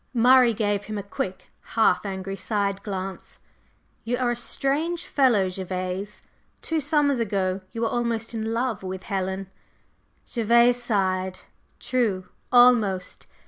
Murray gave him a quick, half angry side glance. "You are a strange fellow, Gervase. Two summers ago you were almost in love with Helen." Gervase sighed. "True. Almost.